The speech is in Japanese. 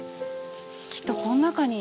きっとこん中に。